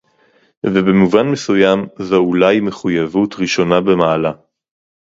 ובמובן מסוים זו אולי מחויבות ראשונה במעלה